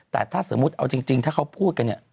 แต่ถ้าสมมุติเอาจริงถ้าเขาพูดกันเนี่ย